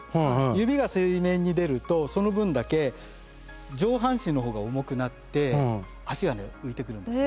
指が水面に出るとその分だけ上半身の方が重くなって足がね浮いてくるんです。